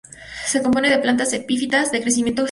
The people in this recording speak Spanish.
Se compone de plantas epífitas de crecimiento cespitoso.